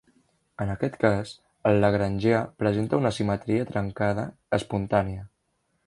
En aquest cas, el lagrangià presenta una simetria trencada espontània.